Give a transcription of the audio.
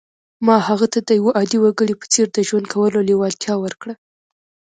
ما هغه ته د یوه عادي وګړي په څېر د ژوند کولو لېوالتیا ورکړه